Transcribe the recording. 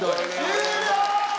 終了！